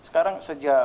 nah sekarang sejauh ini